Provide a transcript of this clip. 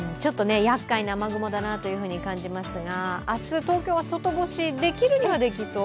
やっかいな雨雲と感じますが明日、東京は外干しできるにはできそう？